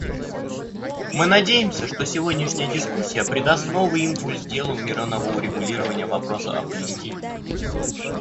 Мы надеемся, что сегодняшняя дискуссия придаст новый импульс делу мирного урегулирования вопроса о Палестине.